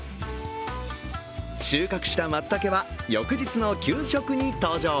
収穫したまつたけは、翌日の給食に登場。